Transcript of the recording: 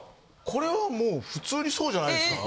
これはもう普通にそうじゃないですか？